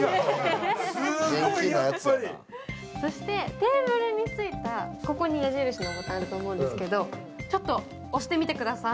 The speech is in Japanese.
テーブルについた、ここに矢印のボタンがあると思うんですけど、ちょっと押してみてください。